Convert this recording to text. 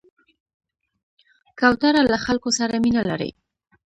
کوتره له خلکو سره مینه لري.